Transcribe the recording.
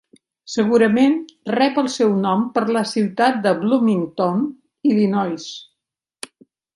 Segurament rep el seu nom per la ciutat de Bloomington, Illinois.